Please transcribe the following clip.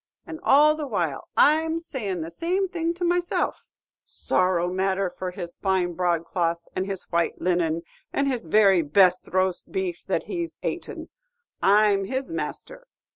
And all the while, I'm saying the same thing to myself, 'Sorrow matter for his fine broadcloth, and his white linen, and his very best roast beef that he's atin', I 'm his master!